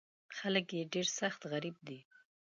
خلک یې ډېر سخت غریب دي.